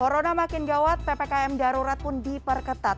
corona makin gawat ppkm darurat pun diperketat